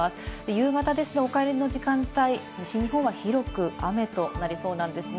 夕方ですと、お帰りの時間帯、西日本は広く雨となりそうなんですね。